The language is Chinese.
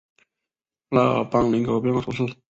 拉尔邦人口变化图示